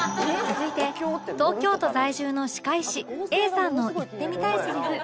続いて東京都在住の歯科医師 Ａ さんの言ってみたいセリフ